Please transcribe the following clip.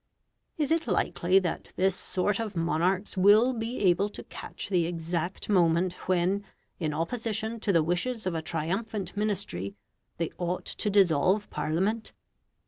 Is it likely that this sort of monarchs will be able to catch the exact moment when, in opposition to the wishes of a triumphant Ministry, they ought to dissolve Parliament?